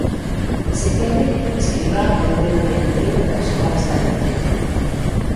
Se quere, Escribá vai ter o dianteiro para xogar esta noite.